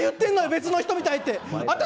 別の人みたいって。